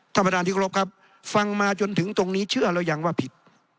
ท่านประธานที่ครบครับฟังมาจนถึงตรงนี้เชื่อหรือยังว่าผิด